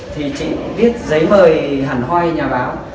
thì chị viết giấy mời hẳn hoay nhà báo